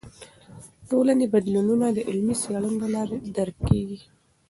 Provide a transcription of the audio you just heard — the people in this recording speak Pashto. ټولنې بدلونونه د علمي څیړنو له لارې درک کیږي.